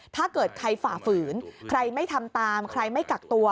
ถ้าเกิดใครฝ่าฝืนใครไม่ทำตามใครไม่กักตัว